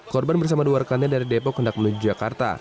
korban bersama dua rekannya dari depok hendak menuju jakarta